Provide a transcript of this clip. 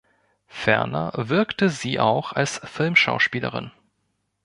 Ferner wirkte sie auch als Filmschauspielerin.